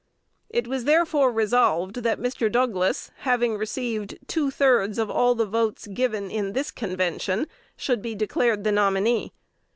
It was therefore resolved that Mr. Douglas, "having received two thirds of all the votes given in this Convention," should be declared the nominee.